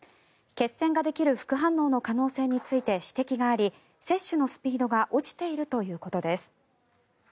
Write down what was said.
血栓ができる副反応の可能性について指摘があり接種のスピードが落ちているということです。